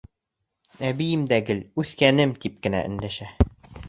Әбейем дә гел «үҫкәнем» тип кенә өндәшә.